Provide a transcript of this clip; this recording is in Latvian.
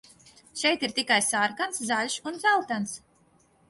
Šeit ir tikai sarkans, zaļš un dzeltens.